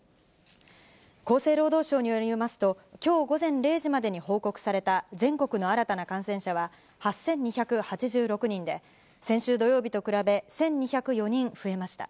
厚生労働省によりますと、きょう午前０時までに報告された全国の新たな感染者は８２８６人で、先週土曜日と比べ１２０４人増えました。